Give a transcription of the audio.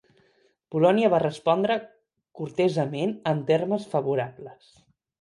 Polònia va respondre cortesament en termes favorables.